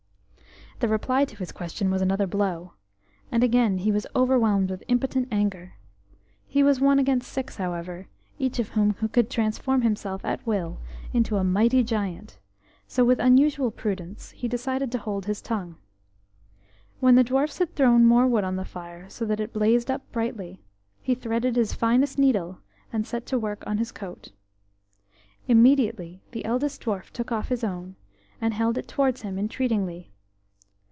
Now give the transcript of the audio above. The reply to his question was another blow, and again he was overwhelmed with impotent anger. He was one against six, however, each of whom could transform himself at will into a mighty giant, so with unusual prudence he decided to hold his tongue. When the dwarfs had thrown more wood on the fire so that it blazed up brightly, he threaded his finest needle, and set to work on his coat. Immediately the eldest dwarf took off his own, and held it towards him entreatingly.